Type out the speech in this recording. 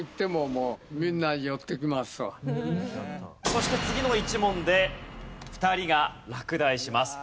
そして次の１問で２人が落第します。